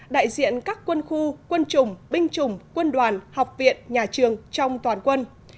đại diện các quân khu quân chủng binh chủng quân đoàn học viện nhà trường trong toàn quân